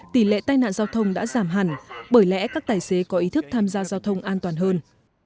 tỷ lệ tai nạn giao thông đã giảm hẳn bởi lẽ các tài xế có ý thức tham gia giao thông an toàn hơn